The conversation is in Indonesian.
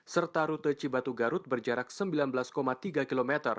serta rute cibatu garut berjarak sembilan belas tiga km